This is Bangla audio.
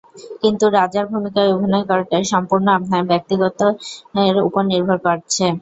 কিন্তু রাজার ভূমিকায় অভিনয় করাটা সম্পূর্ণ আপনার ব্যক্তিত্বের ওপর নির্ভর করছে।